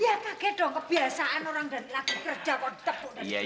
ya kaget dong kebiasaan orang dan lagi kerja kok ditepuk dari belakang